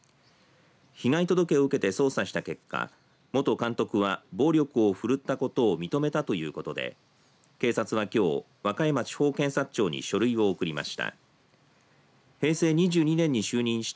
被害届を受けて捜査をした結果として元監督は暴力を振るったことを認めたということで警察はきょう和歌山地方検察庁に書類を送りました。